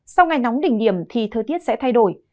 sau ngày nóng đỉnh điểm thì thời tiết sẽ thay đổi